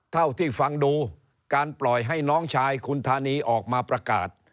เท่าที่ฟังดูการปล่อยให้น้องชายคุณธานีออกมาประกาศ